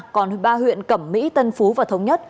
còn ba huyện cẩm mỹ tân phú và thống nhất